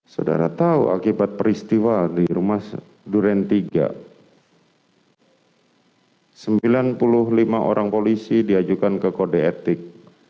saudara tahu akibat peristiwa di rumah duren tiga sembilan puluh lima orang polisi diajukan ke kode etik